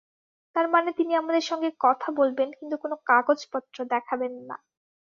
তার মানে তিনি আমাদের সঙ্গে কথা বলবেন কিন্তু কোনো কাগজপত্র দেখাবেন না।